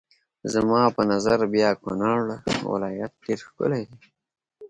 زما په نظر بیا کونړ ولایت ډېر ښکلی دی.